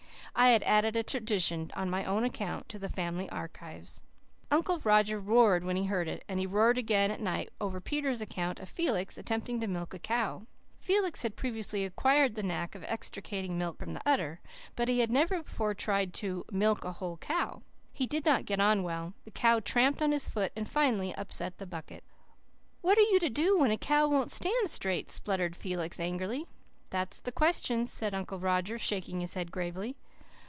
I had added a tradition on my own account to the family archives. Uncle Roger roared when he heard it; and he roared again at night over Peter's account of Felix attempting to milk a cow. Felix had previously acquired the knack of extracting milk from the udder. But he had never before tried to "milk a whole cow." He did not get on well; the cow tramped on his foot, and finally upset the bucket. "What are you to do when a cow won't stand straight?" spluttered Felix angrily. "That's the question," said Uncle Roger, shaking his head gravely.